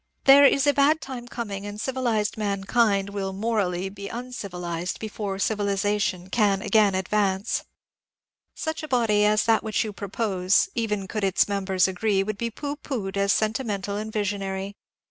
There is a bad time coming, and civilized mankind will (morally) be uncivilized before civiliza tion can again advance. Such a body as that which you propose, even could its members agree, would be pooh poohed as sentimental and visionary.